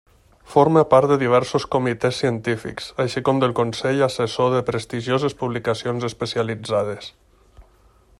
Forma part de diversos comitès científics així com del consell assessor de prestigioses publicacions especialitzades.